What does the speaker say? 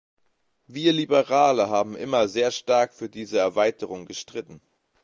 Wir Liberale haben immer sehr stark für diese Erweiterung gestritten.